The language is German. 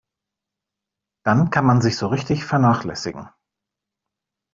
Dann kann man sich so richtig vernachlässigen.